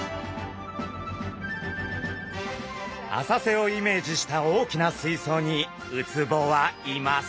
浅瀬をイメージした大きな水槽にウツボはいます。